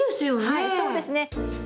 はいそうですね。